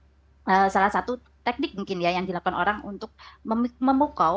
ini adalah salah satu teknik mungkin ya yang dilakukan orang untuk memukau